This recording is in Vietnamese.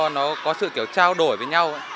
nó có sự kiểu trao đổi với nhau